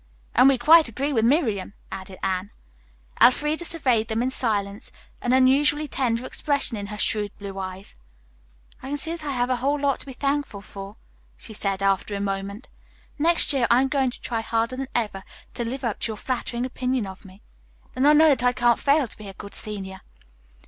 "And we quite agree with Miriam," added Anne. Elfreda surveyed them in silence, an unusually tender expression in her shrewd blue eyes. "I can see that I have a whole lot to be thankful for," she said after a moment. "Next year I am going to try harder than ever to live up to your flattering opinion of me. Then I know that I can't fail to be a good senior."